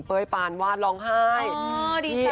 เป้ยปานวาดร้องไห้อ๋อดีใจแหละ